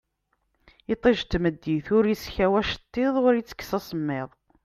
Itij n tmeddit ur iskaw acettiḍ ur itekkes asemmiḍ